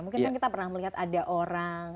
mungkin kan kita pernah melihat ada orang